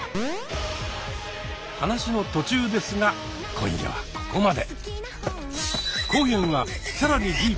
話の途中ですが今夜はここまで。